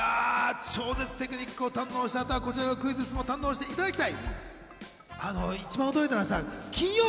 超絶テクニックを堪能した後はこちらのクイズも楽しんでいただきたい。